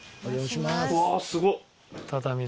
うわっすごっ！